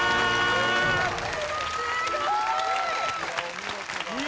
すごい！